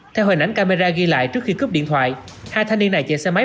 theo hình ảnh camera ghi lại trước khi cướp điện thoại hai thanh niên này chạy xe máy